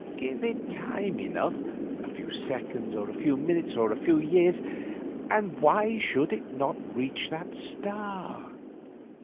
Give it time enough, a few seconds, or a few minutes or a few years, and why should it not reach that star?